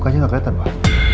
makanya gak keliatan pak